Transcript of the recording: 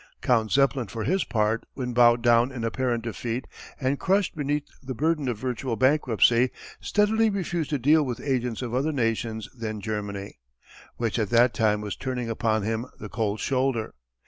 Count Zeppelin for his part, when bowed down in apparent defeat and crushed beneath the burden of virtual bankruptcy, steadily refused to deal with agents of other nations than Germany which at that time was turning upon him the cold shoulder.